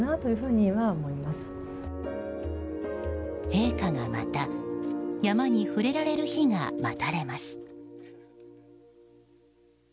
陛下がまた山に触れられる日が待たれます。